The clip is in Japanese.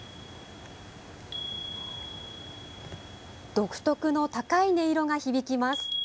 独特の高い音色が響きます。